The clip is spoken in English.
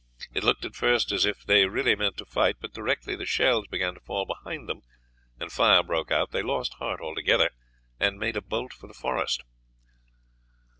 It looked at first as if they really meant to fight, but directly the shells began to fall behind them, and fire broke out, they lost heart altogether, and made a bolt for the forest."